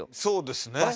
そうですね。